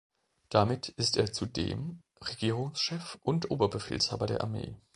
Damit ist er zudem Regierungschef und Oberbefehlshaber der Armee.